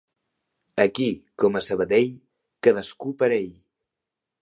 Aquí, com a Sabadell, cadascú per ell.